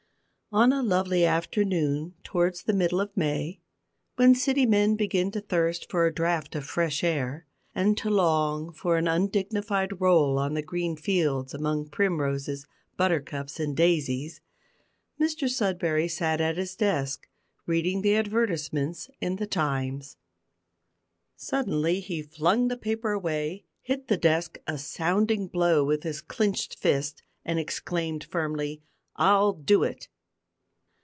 On a lovely afternoon towards the middle of May, when city men begin to thirst for a draught of fresh air, and to long for an undignified roll on the green fields among primroses, butter cups, and daisies, Mr Sudberry sat at his desk reading the advertisements in the Times. Suddenly he flung the paper away, hit the desk a sounding blow with his clinched fist, and exclaimed firmly "I'll do it!"